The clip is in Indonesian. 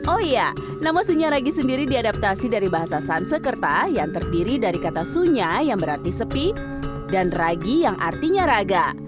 oh iya nama sunya ragi sendiri diadaptasi dari bahasa sansekerta yang terdiri dari kata sunya yang berarti sepi dan ragi yang artinya raga